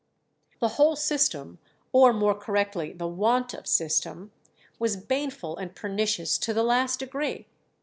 The whole system, or more correctly the want of system, was baneful and pernicious to the last degree.